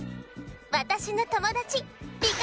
わたしのともだちりか